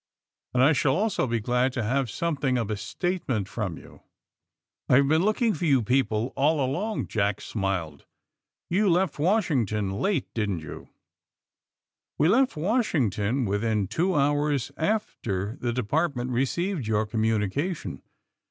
And I shall also be glad to have some thing of a statement from you. '' *'IVe been looking for you people all along/* Jack smiled. *'You left Washington late, didn't you?" ^^We left Washington within two hours after the Department received your communication.